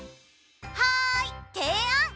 はいていあん！